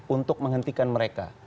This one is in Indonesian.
untuk menghentikan mereka